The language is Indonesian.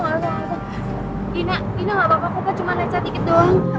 kau cuma lecah dikit doang